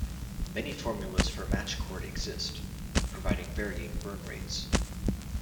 Many formulas for match cord exist, providing varying burn rates.